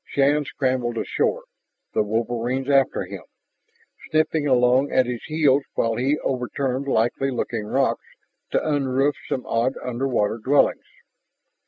Shann scrambled ashore, the wolverines after him, sniffling along at his heels while he overturned likely looking rocks to unroof some odd underwater dwellings.